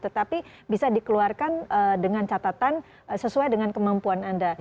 tetapi bisa dikeluarkan dengan catatan sesuai dengan kemampuan anda